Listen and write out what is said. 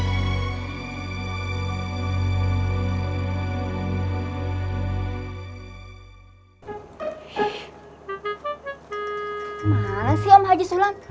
malang sih om haji sulam